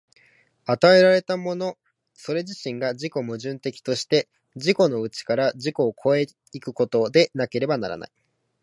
与えられたものそれ自身が自己矛盾的として、自己の内から自己を越え行くことでなければならない。